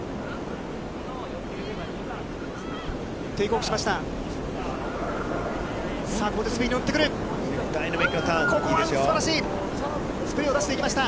テイクオフしました。